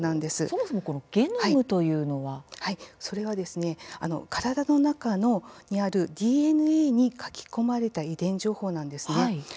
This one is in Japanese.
そもそもこのゲノムというのは？体の中にあるＤＮＡに書き込まれた遺伝情報なんですね。